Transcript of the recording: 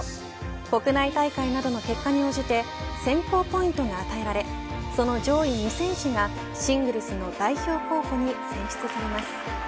国内大会などの結果に応じて選考ポイントが与えられその上位２選手がシングルスの代表候補に選出されます。